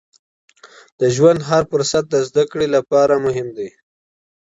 د ژوند هر فرصت د زده کړې لپاره مهم دی.